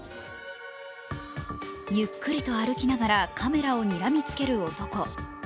ゆっくりと歩きながらカメラをにらみつける男。